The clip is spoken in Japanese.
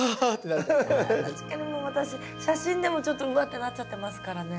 確かにもう私写真でもちょっとうわってなっちゃってますからね。